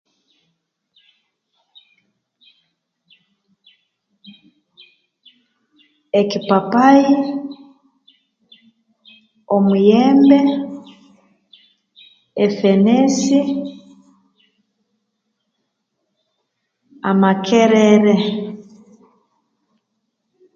Ekipapayi ,omuyembe, efenesi amakere